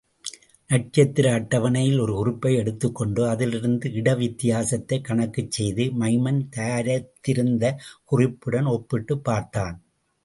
நட்சத்திர அட்டவணையில் ஒரு குறிப்பை எடுத்துக்கொண்டு, அதிலிருந்த இட வித்தியாசத்தைக் கணக்குச்செய்து, மைமன் தயாரித்திருந்த குறிப்புடன் ஒப்பிட்டுப் பார்த்தான்.